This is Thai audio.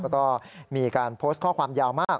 แล้วก็มีการโพสต์ข้อความยาวมาก